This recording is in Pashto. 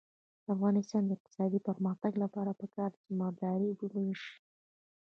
د افغانستان د اقتصادي پرمختګ لپاره پکار ده چې مرغداري وشي.